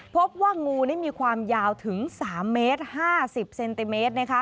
พบว่างูนี่มีความยาวถึง๓เมตร๕๐เซนติเมตร